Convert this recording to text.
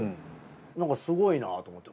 なんかすごいなと思って。